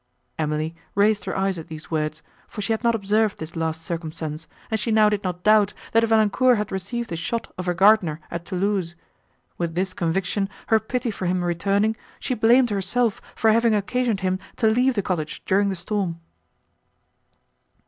Emily raised her eyes at these words, for she had not observed this last circumstance, and she now did not doubt, that Valancourt had received the shot of her gardener at Thoulouse; with this conviction her pity for him returning, she blamed herself for having occasioned him to leave the cottage, during the storm.